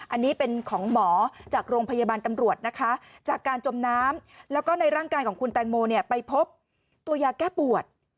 อันนี้เป็นของหมอจากโรงพยาบาลตำรวจนะคะจากการจมน้ำแล้วก็ในร่างกายของคุณแตงโมเนี่ยไปพบตัวยาแก้ปวด